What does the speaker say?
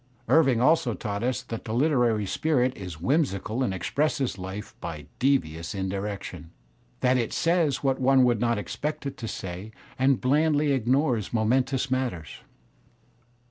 Irving also taught us that the Uteraiy spirit is whimsical and expresses life by devious indirections, that it says what one would not expect it to say and blandly ignores momentous matters.